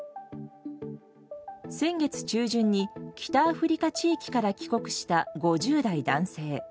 先月中旬に北アフリカ地域から帰国した５０代男性。